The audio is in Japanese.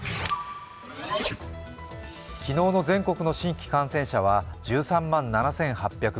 昨日の全国の新規感染者は１３万７８５９人。